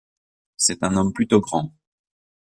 C’est un homme plutôt grand.